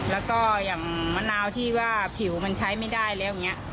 แล้วก็อย่างมะนาวที่ว่าผิวมันใช้ไม่ได้แล้วอย่างนี้